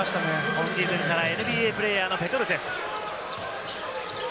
今シーズンからＮＢＡプレーヤーのペトルセフ。